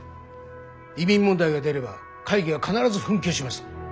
移民問題が出れば会議は必ず紛糾します。